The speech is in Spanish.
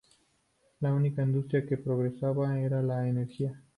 La única industria que progresaba era la energía.